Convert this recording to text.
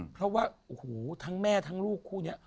เพราะว่าโอ้โหทั้งแม่ทั้งลูกคู่นี้